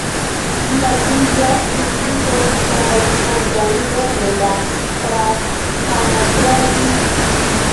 Ĝi baziĝas sur tri tekstaj fontoj nome la "Prasthanatraĝi".